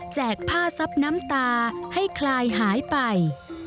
ผ้าซับน้ำตาให้คลายหายไป